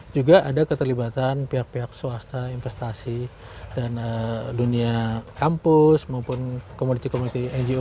juga ada keterlibatan pihak pihak swasta investasi dan dunia kampus maupun komoditi komoditi ngo